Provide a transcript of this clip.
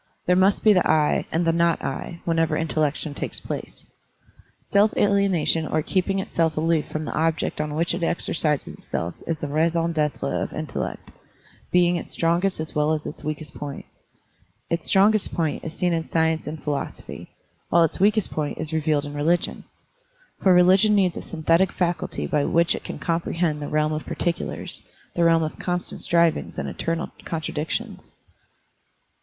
There must be the "I and the not I" when ever intellection takes place. Self alienation or keeping itself aloof from the object on which it exercises itself is the raison d'etre of intellect, Digitized by Google 134 SERMONS OF A BUDDHIST ABBOT being its strongest as well as its weakest point. Its strongest point is seen in science and phi losophy, while its weakest point is revealed in religion. For religion needs a synthetic faculty by which it can comprehend the realm of par ticulars, the realm of constant strivings and eternal contradictions.